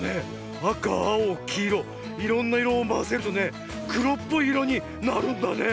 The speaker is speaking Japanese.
あかあおきいろいろんないろをまぜるとねくろっぽいいろになるんだね。